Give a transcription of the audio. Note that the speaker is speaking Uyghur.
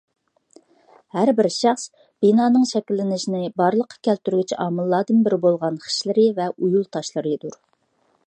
ھەر بىر شەخس بىنانىڭ شەكىللىنىشىنى بارلىققا كەلتۈرگۈچى ئامىللىرىدىن بىرى بولغان خىشلىرى ۋە ئۇيۇل تاشلىرىدۇر.